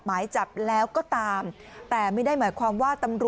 หมายจับแล้วก็ตามแต่ไม่ได้หมายความว่าตำรวจ